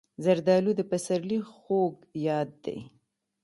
زردالو د پسرلي خوږ یاد دی.